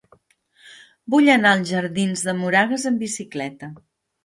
Vull anar als jardins de Moragas amb bicicleta.